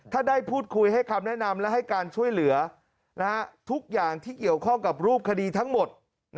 ถ้าได้พูดคุยให้คำแนะนำและให้การช่วยเหลือทุกอย่างที่เกี่ยวข้องกับรูปคดีทั้งหมด